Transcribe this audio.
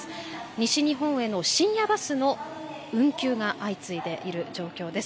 西日本への深夜バスの運休が相次いでいる状況です。